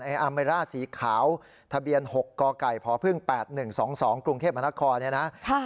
อาเมร่าสีขาวทะเบียน๖กไก่พพ๘๑๒๒กรุงเทพมนครเนี่ยนะ